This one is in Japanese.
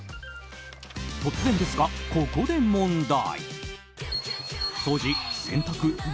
突然ですが、ここで問題。